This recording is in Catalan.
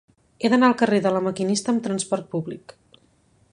He d'anar al carrer de La Maquinista amb trasport públic.